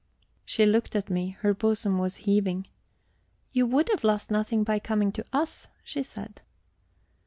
She looked at me; her bosom was heaving. "You would have lost nothing by coming to us," she said.